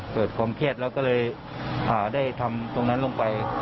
เกิดความเครียดแล้วก็เลยได้ทำตรงนั้นลงไป